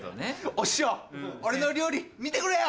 お師匠俺の料理見てくれよ！